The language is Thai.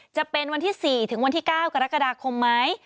จะเป็นวันที่๔ถึงวันที่๙กรกฎาคมไหม